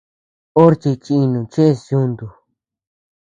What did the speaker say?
Orchi chinu cheʼes yuntu.